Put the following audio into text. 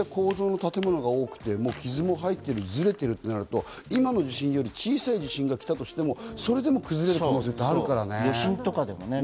なんでかっていうのは、実際にああいった構造の建物が多くて、傷も入っている、ずれているとなると、今の地震より小さい地震が来たとしても、それでも崩れる可能性ってあるからね。